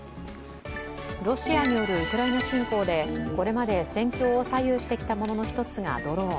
ロシアによるウクライナ侵攻でこれまで戦況を左右してきたものの一つがドローン。